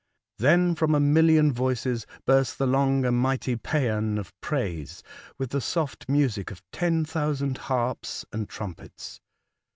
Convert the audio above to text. Then from a million voices burst the long and mighty pgean of praise, with the soft music of ten thousand harps and trumpets.